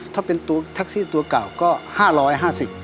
ถ้าเป็นตัวแท็กซี่ตัวเก่าก็๕๕๐บาท